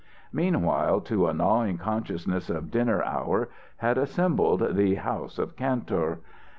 Meanwhile, to a gnawing consciousness of dinner hour, had assembled the house of Kantor.